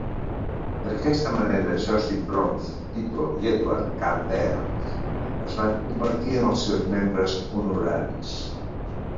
D'aquesta manera, Josip Broz, Tito i Edvard Kardelj es van convertir en els seus membres honoraris.